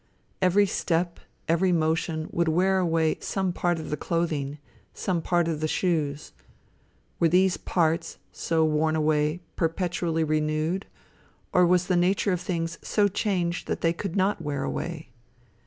Every step, every motion, would wear away some part of the clothing, some part of the shoes. Were these parts, so worn away, perpetually renewed, or was the nature of things so changed that they could not wear away?